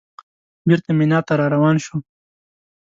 بېرته مینا ته راروان شوو.